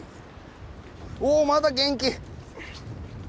おまだ元気。